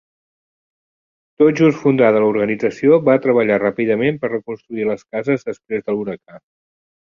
La tot just fundada organització va treballar ràpidament per reconstruir les cases després de l'huracà.